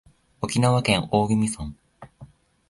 沖縄県大宜味村